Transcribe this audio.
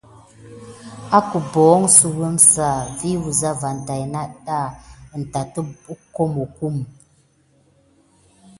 Wakəbohonsewounsa vi wuza van tay əday kiwa in tat əkamokum.